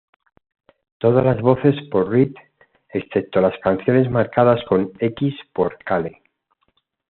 Todas las voces por Reed excepto en las canciones marcadas con x por Cale.